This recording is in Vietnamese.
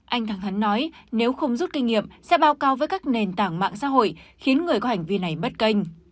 anh thẳng thắn nói nếu không rút kinh nghiệm sẽ bao cao với các nền tảng mạng xã hội khiến người có hành vi này mất kênh